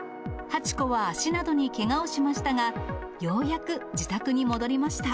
はちこは足などにけがをしましたが、ようやく自宅に戻りました。